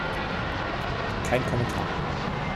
Kein Kommentar.